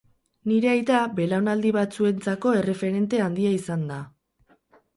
Nire aita belaunaldi batzuentzako erreferente handia izan da.